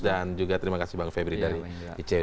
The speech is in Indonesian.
dan juga terima kasih bang febri dari icw